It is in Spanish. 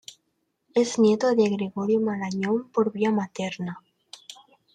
Es nieto de Gregorio Marañón por vía materna.